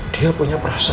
dia punya perasaan